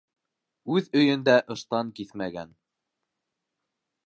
Үҙ өйөндә ыштан киҫмәгән.